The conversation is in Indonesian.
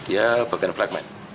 ya bagian flagman